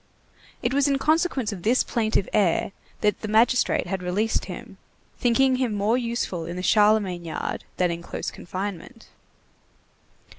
It was in consequence of this plaintive air that the magistrate had released him, thinking him more useful in the Charlemagne yard than in close confinement.